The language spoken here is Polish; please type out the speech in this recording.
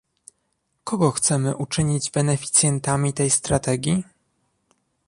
Kogo chcemy uczynić beneficjentami tej strategii?